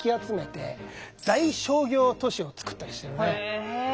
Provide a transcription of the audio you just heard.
へえ。